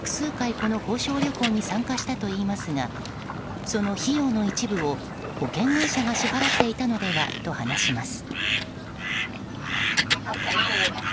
この報奨旅行に参加したといいますがその費用の一部を保険会社が支払っていたのではと話します。